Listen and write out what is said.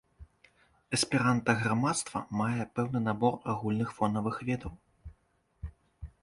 Эсперанта-грамадства мае пэўны набор агульных фонавых ведаў.